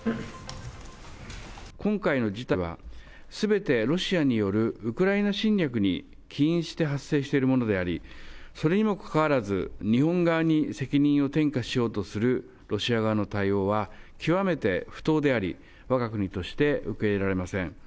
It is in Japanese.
今回の事態は、すべてロシアによるウクライナ侵略に起因して発生しているものであり、それにもかかわらず、日本側に責任を転嫁しようとするロシア側の対応は極めて不当であり、わが国として受け入れられません。